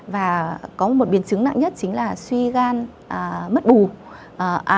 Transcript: và có một biến chứng nặng nhất chính là suy gan tối cấp và bệnh nhân có thể tử vong trong vòng một đến ba tháng